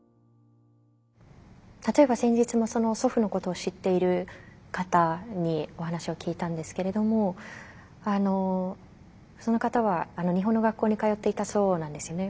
例えば先日も祖父のことを知っている方にお話を聞いたんですけれどもその方は日本の学校に通っていたそうなんですよね。